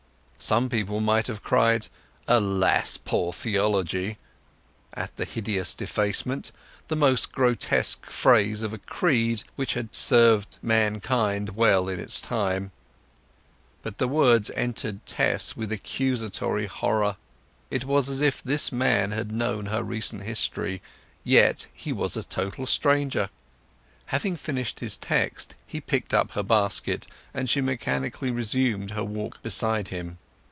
Some people might have cried "Alas, poor Theology!" at the hideous defacement—the last grotesque phase of a creed which had served mankind well in its time. But the words entered Tess with accusatory horror. It was as if this man had known her recent history; yet he was a total stranger. Having finished his text he picked up her basket, and she mechanically resumed her walk beside him.